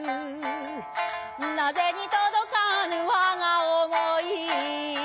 なぜに届かぬわが思い